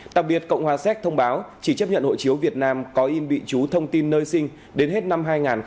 đặc biệt cộng hòa séc thông báo chỉ chấp nhận hộ chiếu việt nam có in bị chú thông tin nơi sinh đến hết năm hai nghìn hai mươi